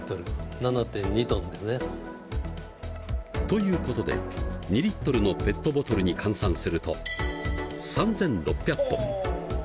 ７．２ｔですね。ということで２Ｌのペットボトルに換算すると３６００本。